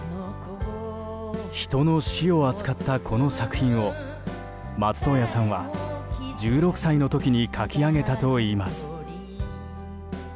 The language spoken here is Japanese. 人の死を扱ったこの作品を松任谷さんは１６歳の時に書き上げたといいます。